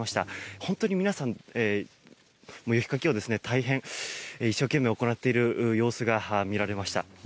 本当に皆さん、雪かきを大変一生懸命、行っている様子が見られました。